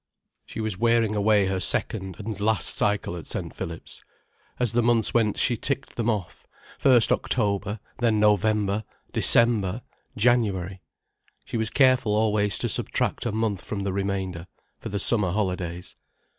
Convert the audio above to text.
She was wearing away her second and last cycle at St. Philip's. As the months went she ticked them off, first October, then November, December, January. She was careful always to subtract a month from the remainder, for the summer holidays.